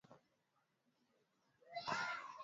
Asiye na wake ana Mungu.